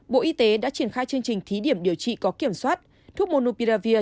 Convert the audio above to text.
bộ y tế đã triển khai chương trình thí điểm điều trị có kiểm soát thuốc monupiravir